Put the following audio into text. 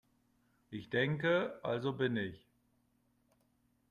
Ich denke, also bin ich.